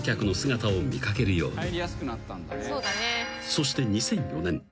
［そして２００４年］